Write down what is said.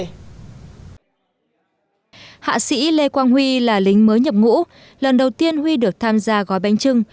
hạ sĩ lê quang huy là lính mới nhập ngũ lần đầu tiên huy được tham gia gói bánh trưng